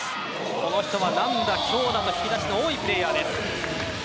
この人は、軟打、強打の引き出しが多いプレーヤーです。